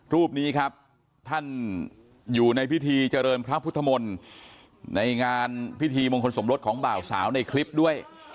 รูปนี้ครับท่านอยู่ในพิธีเจริญพระพุทธมนตร์ในงานพิธีมงคลสมรสของบ่าวสาวในคลิปด้วย